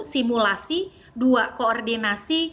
simulasi dua koordinasi